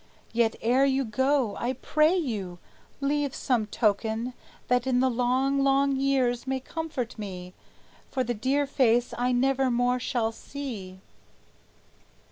Yet ere you go, I pray you, leave some token That in the long, long years may comfort me For the dear face I nevermore shall see."